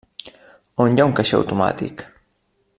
On hi ha un caixer automàtic?